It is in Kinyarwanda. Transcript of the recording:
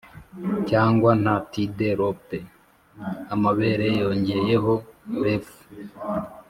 cyangwa nka tide-looped amabere yongeyeho reef